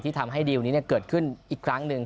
ทำให้ดีลนี้เกิดขึ้นอีกครั้งหนึ่ง